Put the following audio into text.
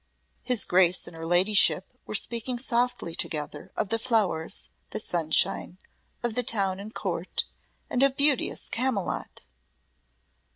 His Grace and her ladyship were speaking softly together of the flowers, the sunshine, of the town and Court, and of beauteous Camylott.